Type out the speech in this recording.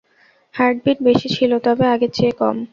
Heartbeat বেশি ছিল, তবে আগের চেয়ে কম।